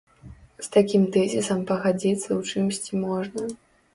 З такім тэзісам пагадзіцца ў чымсьці можна.